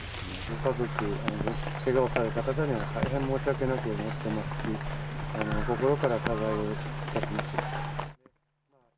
ご家族、けがをされた方には大変申し訳なく思ってますし、心から謝罪をいたします。